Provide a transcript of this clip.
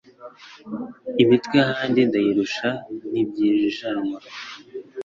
Imitwe y'ahandi ndayirusha ntibyijanwa.